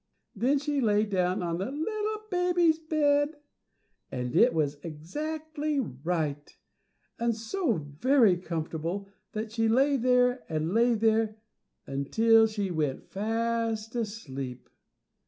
Then she lay down on the little baby bear's bed and it was exactly right, and so very comfortable that she lay there and lay there until she went fast asleep.